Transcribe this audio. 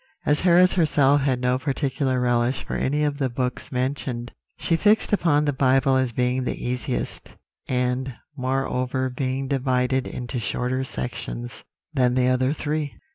As Harris herself had no particular relish for any of the books mentioned, she fixed upon the Bible as being the easiest, and moreover being divided into shorter sections than the other three.